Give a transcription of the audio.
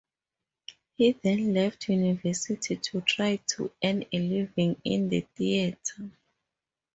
He then left university to try to earn a living in the theatre.